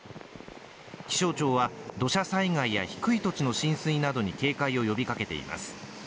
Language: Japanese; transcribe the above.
気象庁は土砂災害や低い土地の浸水などに警戒を呼びかけています。